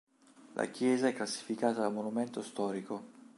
La chiesa è classificata monumento storico.